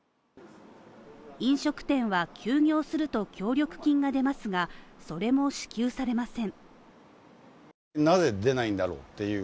飲食店は休業すると協力金が出ますが、それも支給されません。